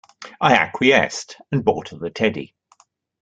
I acquiesced and bought her the teddy!.